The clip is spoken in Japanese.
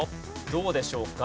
どうでしょうか？